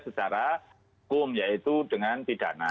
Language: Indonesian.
secara hukum yaitu dengan pidana